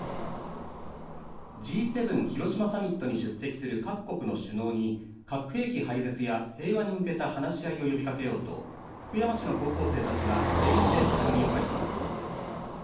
Ｇ７広島サミットに出席する各国の首脳に核兵器廃絶や平和に向けた話し合いを呼びかけようと福山市の高校生たちが英語で手紙を書いています。